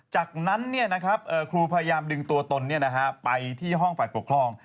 จากนั้นครูพยายามดึงตัวตนไปที่ห้องฝ่ายปกครอง